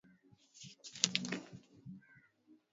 na nitawasilisha muswada huu kwa bunge la congress